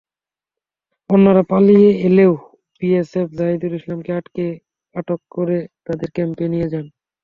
অন্যরা পালিয়ে এলেও বিএসএফ জাহিদুল ইসলামকে আটক করে তাঁদের ক্যাম্পে নিয়ে যান।